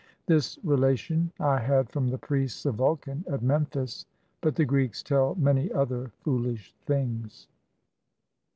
This relation I had from the priests of Vulcan at Memphis. But the Greeks tell many other foolish things.